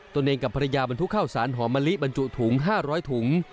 ตัวเองกับภรรยาบรรทุกข้าวสารหอมมะลิบรรจุถุง๕๐๐ถุง